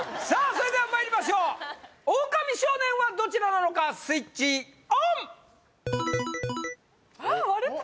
それではまいりましょうオオカミ少年はどちらなのかスイッチオンあっ割れた！